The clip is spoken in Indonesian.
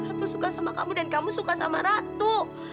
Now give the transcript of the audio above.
aku suka sama kamu dan kamu suka sama ratu